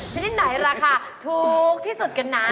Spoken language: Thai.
ชนิดไหนราคาถูกที่สุดกันนะ